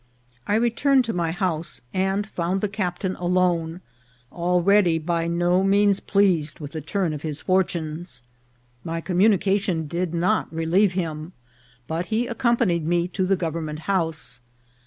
I returned to my house, and found the captain alone, already by no means pleased with the turn of his fortunes. My communication did not relieve him, but he accompanied me to the Government House.